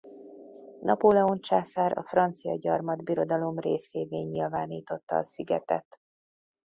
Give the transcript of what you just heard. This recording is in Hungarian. Napóleon császár a francia gyarmatbirodalom részévé nyilvánította a szigetet.